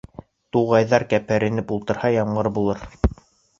Турғайҙар кәпәренеп ултырһа, ямғыр булыр.